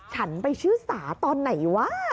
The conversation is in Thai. ฉันไปชื่อสาตอนไหนวะ